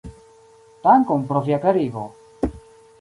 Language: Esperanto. Dankon pro via klarigo!